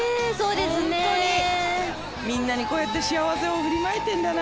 みんなにこうやって幸せを振りまいてんだな。